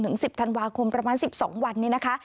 ๑๐ธันวาคมประมาณ๑๒วันนี้นะคะ